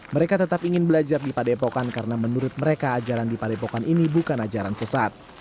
mereka tetap ingin belajar di padepokan karena menurut mereka ajaran di padepokan ini bukan ajaran sesat